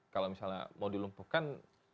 kalau misalnya mau dilumpuhkan